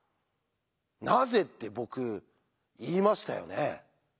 なぜって僕言いましたよね。